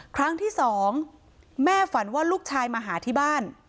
ครั้งที่สองแม่ฝันว่าลูกชายมาหาที่บ้าน